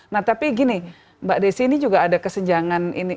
nah tapi gini mbak desi ini juga ada kesenjangan ini